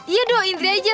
yaduk indri aja